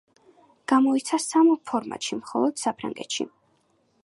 გამოიცა სამ ფორმატში მხოლოდ საფრანგეთში.